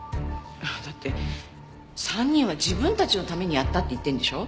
だって３人は自分たちのためにやったって言ってるんでしょ？